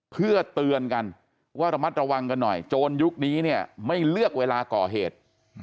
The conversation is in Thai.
เพื่อเตือนกันว่าระมัดระวังกันหน่อยโจรยุคนี้เนี่ยไม่เลือกเวลาก่อเหตุ